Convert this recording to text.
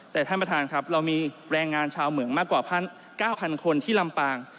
แต่ท่านประธานครับเรามีแรงงานชาวเหมืองมากกว่า๙๐๐คนที่ลำปาง